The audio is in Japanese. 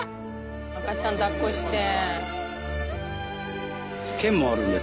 赤ちゃんだっこして。